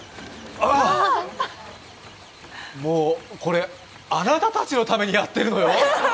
ああっもう、これ、あなたたちのためにやってるのよ！